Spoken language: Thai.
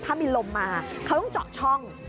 ถ้ามีลมมาเขาต้องเจาะช่อง